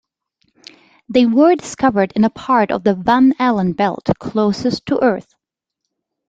They were discovered in a part of the Van Allen belt closest to Earth.